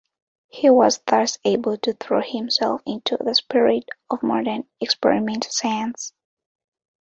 He was thus able to throw himself into the spirit of modern experimental science.